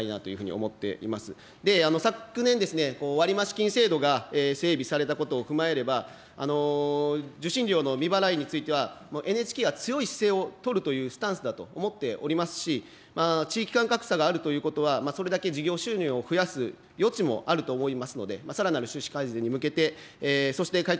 昨年、割増金制度が整備されたことを踏まえれば、受信料の未払いについては、もうＮＨＫは強い姿勢を取るというスタンスだと思っておりますし、地域間格差があるということは、それだけ事業収入を増やす余地もあると思いますので、さらなる収支改善に向けて、そして会長